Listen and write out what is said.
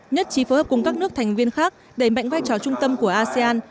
nhất trí phối hợp cùng các nước thành viên khác đẩy mạnh vai trò trung tâm của asean